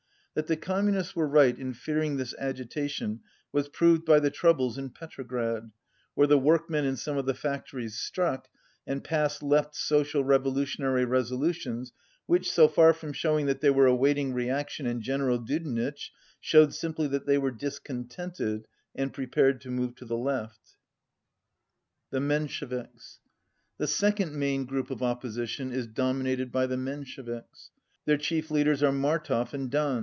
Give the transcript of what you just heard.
That the Communists were right in fearing this agitation was proved by the troubles in Petrograd, where the workmen in some of the factories struck, and passed Left Social Revolutionary resolutions which, so far from showing that they were await ing reaction and General Judenitch, showed sim ply that they were discontented and prepared to move to the left. .hp 198 The Mensheviks The second main group of opposition is domi nated by the Mensheviks. Their chief leaders are Martov and Dan.